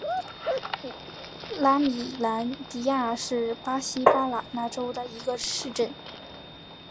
拉米兰迪亚是巴西巴拉那州的一个市镇。